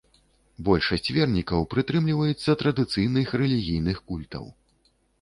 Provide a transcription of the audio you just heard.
Большасць вернікаў прытрымліваецца традыцыйных рэлігійных культаў.